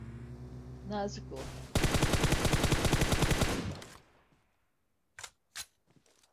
Nazik ol.